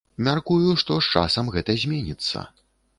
Мяркую, што з часам гэта зменіцца.